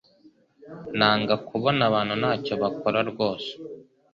Nanga kubona abantu ntacyo bakora rwose